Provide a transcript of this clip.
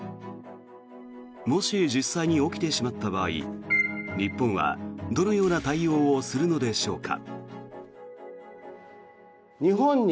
もし実際に起きてしまった場合日本は、どのような対応をするのでしょうか。